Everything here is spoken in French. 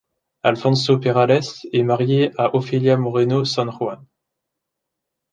Alfonso Perales est marié à Ofelia Moreno Sanjuán.